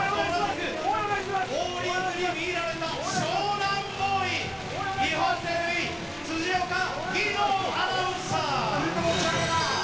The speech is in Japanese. ボウリングに魅入られた湘南ボーイ、日本テレビ・辻岡義堂アナウンサー！